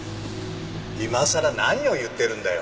今さら何を言ってるんだよ。